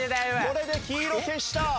これで黄色消した。